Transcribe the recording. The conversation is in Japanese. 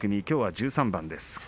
きょうは１３番です。